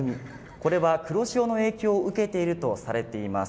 これは黒潮の影響を受けているとされています。